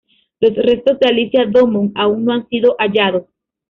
Los restos de Alicia Domon aún no han sido hallados.